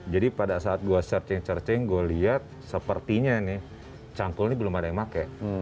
jadi pada saat gue searching searching gue liat sepertinya nih cangkul ini belum ada yang pake